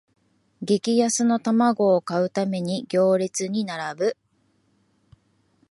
激安の玉子を買うために行列に並ぶ